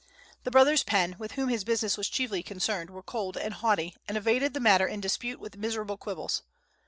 The brothers Penn, with whom his business was chiefly concerned, were cold and haughty, and evaded the matter in dispute with miserable quibbles.